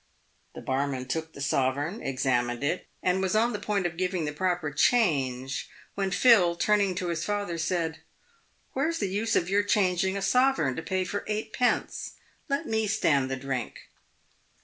The barman took the sovereign, examined it, and was on the point of giving the proper change, when Phil, turn ing to his father, said, " Where is the use of your changing a sove reign to pay for eightpence ? Let me stand the drink."